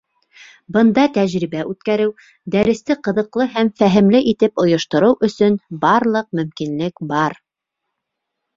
Бында тәжрибә үткәреү, дәресте ҡыҙыҡлы һәм фәһемле итеп ойоштороу өсөн барлыҡ мөмкинлек бар.